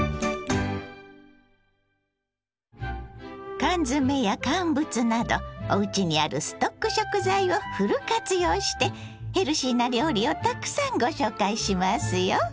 缶詰や乾物などおうちにあるストック食材をフル活用してヘルシーな料理をたくさんご紹介しますよ。